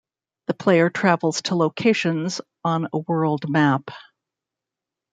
The player travels to locations on a world map.